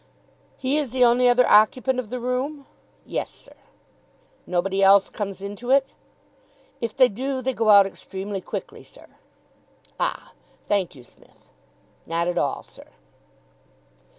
"He is the only other occupant of the room?" "Yes, sir." "Nobody else comes into it?" "If they do, they go out extremely quickly, sir." "Ah! Thank you, Smith." "Not at all, sir."